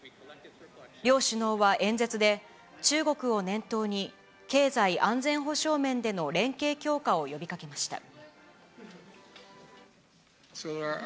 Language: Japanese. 両首脳は演説で、中国を念頭に、経済安全保障面での連携強化を呼びかけました。